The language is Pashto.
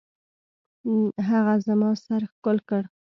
هغه زما سر ښكل كړ.